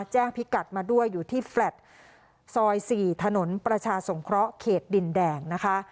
พิกัดมาด้วยอยู่ที่แฟลต์ซอย๔ถนนประชาสงเคราะห์เขตดินแดงนะคะ